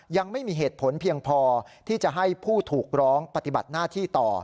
ยังไม่มีเหตุผลเพียงพอที่จะให้ผู้ถูกร้องปฏิบัติหน้าที่ต่อ